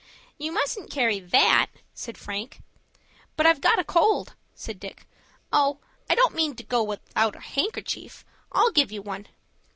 "You mustn't carry that," said Frank. "But I've got a cold," said Dick. "Oh, I don't mean you to go without a handkerchief. I'll give you one."